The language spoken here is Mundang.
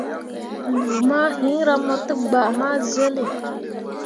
Lu mah hiŋra mo tegbah ma zele.